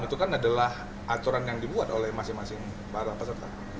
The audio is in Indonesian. itu kan adalah aturan yang dibuat oleh masing masing para peserta